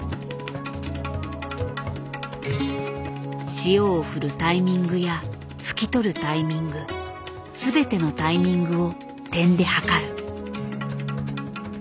塩を振るタイミングや拭き取るタイミングすべてのタイミングを点で計る。